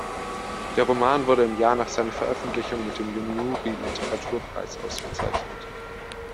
Der Roman wurde im Jahr nach seiner Veröffentlichung mit dem Yomiuri-Literaturpreis ausgezeichnet.